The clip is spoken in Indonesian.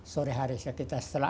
sore hari sekitar asal lagi